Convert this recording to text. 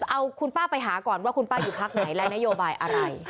เอาคุณป้าไปหาก่อนว่าคุณป้าอยู่พักไหนและนโยบายอะไร